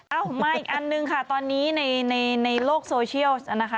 เอามาอีกอันนึงค่ะตอนนี้ในโลกโซเชียลนะคะ